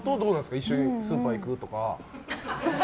一緒にスーパー行く？とか。